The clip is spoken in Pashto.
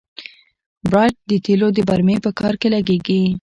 بیرایت د تیلو د برمې په کار کې لګیږي.